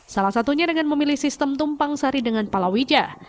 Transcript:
salah satunya dengan memilih sistem tumpang sari dengan palawija